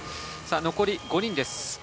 残り５人です。